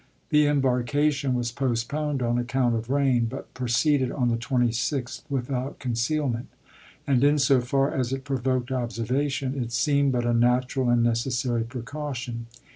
The embark ation was postponed on account of rain ; but pro ceeded on the 26th without concealment ; and in Dec, iseo. so far as it provoked observation, it seemed but a natural and necessary precaution.